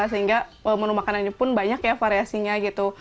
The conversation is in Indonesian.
sehingga menu makanannya pun banyak ya variasinya gitu